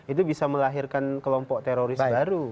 itu bisa melahirkan kelompok teroris baru